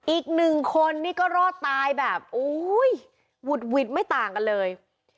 อีกหนึ่งคนนี่ก็รอดตายแบบโอ้ยหวุดหวิดไม่ต่างกันเลย